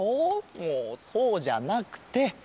もうそうじゃなくて。